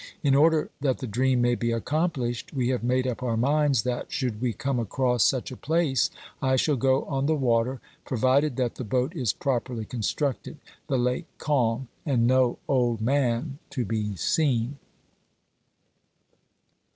In order that the dream may be accomplished we have made up our minds that, should we come across such a place, I shall go on the water, provided that the boat is properly constructed, the lake calm, and no old man to be seen.